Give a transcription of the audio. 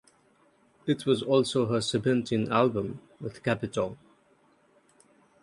It was also her seventeen album with Capitol.